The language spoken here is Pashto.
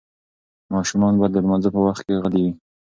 ماشومان باید د لمانځه په وخت کې غلي وي.